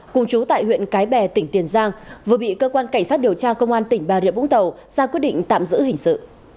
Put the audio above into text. cùng chú tại huyện cái bè tỉnh tiền giang vừa bị cơ quan cảnh sát điều tra công an tỉnh bà rịa vũng tàu ra quyết định tạm giữ hình sự